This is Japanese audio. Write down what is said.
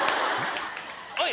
はい！